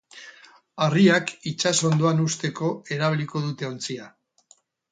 Harriak itsas hondoan uzteko erabiliko dute ontzia.